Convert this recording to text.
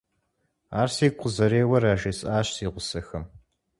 Ар сигу къызэреуэр яжесӀащ си гъусэхэм.